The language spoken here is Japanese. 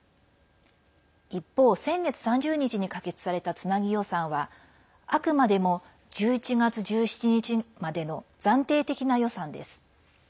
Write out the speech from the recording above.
一方、先月３０日に可決されたつなぎ予算はあくまでも１１月１７日までの暫定的な予算です。